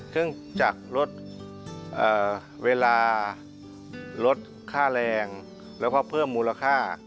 เครื่องจักรลดเวลาลดค่าแรงแล้วก็เพิ่มมูลค่า